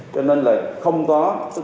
cho nên là không có